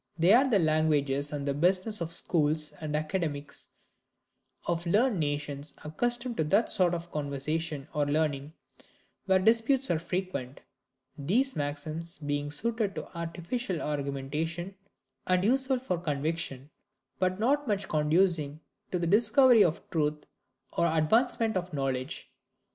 They are the language and business of the schools and academies of learned nations accustomed to that sort of conversation or learning, where disputes are frequent; these maxims being suited to artificial argumentation and useful for conviction, but not much conducing to the discovery of truth or advancement of knowledge.